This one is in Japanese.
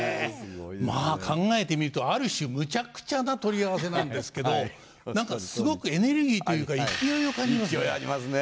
まあ考えてみるとある種むちゃくちゃな取り合わせなんですけど何かすごくエネルギーというか勢いを感じますね。